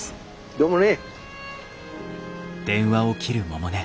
どうもね。